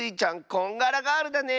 こんがらガールだね！